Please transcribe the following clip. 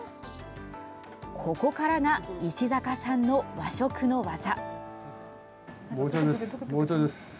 ここからが石坂さんの和食の技。